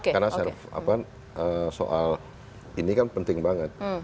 karena soal ini kan penting banget